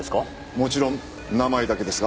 もちろん名前だけですが。